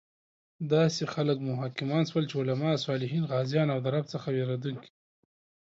داسې خلک مو حاکمان شول چې علماء، صالحین، غازیان او د رب څخه ویریدونکي